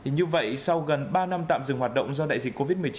như vậy sau gần ba năm tạm dừng hoạt động do đại dịch covid một mươi chín